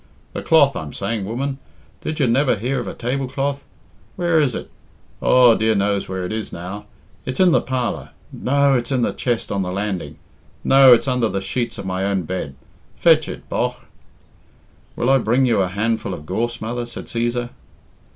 The cloth, I'm saying, woman. Did you never hear of a tablecloth? Where is it? Aw, dear knows where it is now! It's in the parlour; no, it's in the chest on the landing; no, it's under the sheets of my own bed. Fetch it, bogh." "Will I bring you a handful of gorse, mother?" said Cæsar.